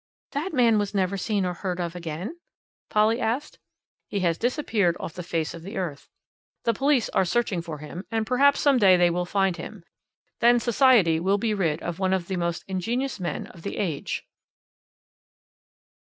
"That man was never seen nor heard of again?" Polly asked. "He has disappeared off the face of the earth. The police are searching for him, and perhaps some day they will find him then society will be rid of one of the most ingenious men of the age."